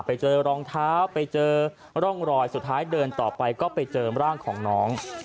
ไปเจอรองเท้าไปเจอร่องรอยสุดท้ายเดินต่อไปก็ไปเจอร่างของน้อง